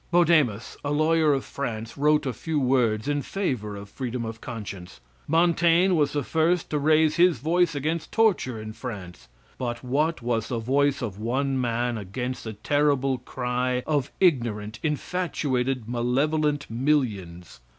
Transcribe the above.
Bodemus, a lawyer of France, wrote a few words in favor of freedom of conscience. Montaigne was the first to raise his voice against torture in France; but what was the voice of one man against the terrible cry of ignorant, infatuated, malevolent millions!